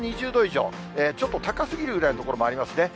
ちょっと高すぎるぐらいの所もありますね。